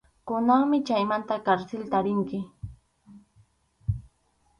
Kunanmi chaymanta karsilta rinki.